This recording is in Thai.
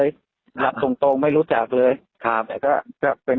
สำเร็จธนายกประจอดท่านหัวใกล้สัดเลือดเลยอ๋อ